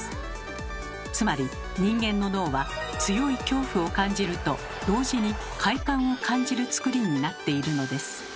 つまり人間の脳は強い恐怖を感じると同時に快感を感じるつくりになっているのです。